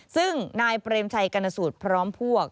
ซึ่งนายเปรมชัยกรณสูตรพร้อมพวก